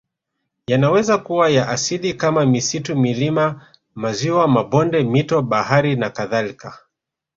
Yanaweza kuwa ya asili kama misitu milima maziwa mabonde mito bahari nakadhalka